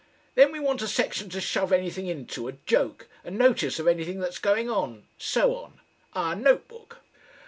Then we want a section to shove anything into, a joke, a notice of anything that's going on. So on. Our Note Book."